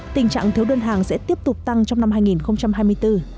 tình trạng thiếu đơn hàng sẽ tiếp tục tăng trong năm hai nghìn hai mươi bốn